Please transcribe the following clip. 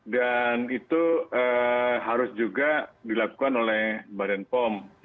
dan itu harus juga dilakukan oleh bapak bepom